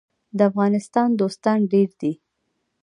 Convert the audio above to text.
د افغانستان دوستان ډیر دي